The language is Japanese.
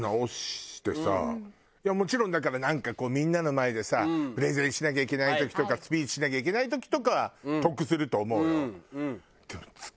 もちろんだからなんかこうみんなの前でさプレゼンしなきゃいけない時とかスピーチしなきゃいけない時とかは得すると思うよ。